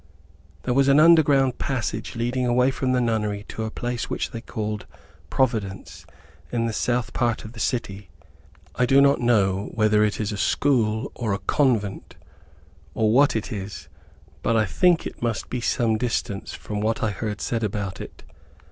There was an underground passage leading from the nunnery to a place which they called, "Providence," in the south part of the city. I do not know whether it is a school, or a convent, or what it is, but I think it must be some distance, from what I heard said about it.